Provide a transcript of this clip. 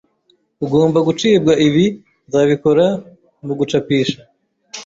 ugomba gucibwa ibi nzabikora mugucapisha